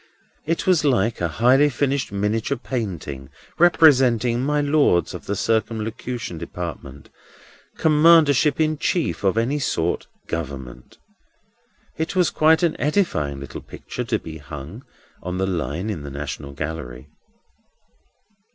It was like a highly finished miniature painting representing My Lords of the Circumlocution Department, Commandership in Chief of any sort, Government. It was quite an edifying little picture to be hung on the line in the National Gallery.